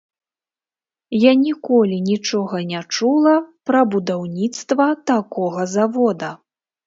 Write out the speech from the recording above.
Я ніколі нічога не чула пра будаўніцтва такога завода.